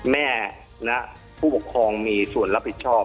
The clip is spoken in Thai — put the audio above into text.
แม่และผู้ปกครองมีส่วนรับผิดชอบ